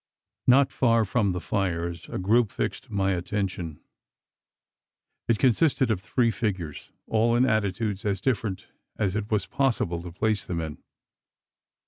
Not far from the fires, a group fixed my attention. It consisted of three figures all in attitudes as different as it was possible to place them in.